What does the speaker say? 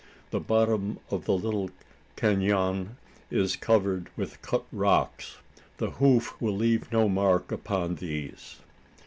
The bottom of the little canon is covered with cut rocks. The hoof will leave no mark upon these."